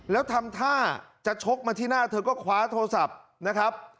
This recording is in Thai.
แล้วทำท่าจะชกมาที่หน้าเธอก็คว้าโทรศัพท์นะครับ